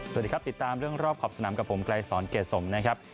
สวัสดีครับติดตามเรื่องรอบขอบสนามกับผมไกลสอนเกรดสมนะครับ